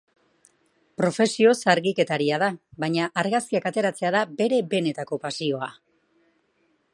Profesioz argiketaria da, baina argazkiak ateratzea da bere benetako pasioa.